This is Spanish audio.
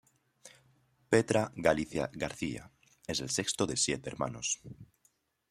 Petra Galicia García, es el sexto de siete hermanos.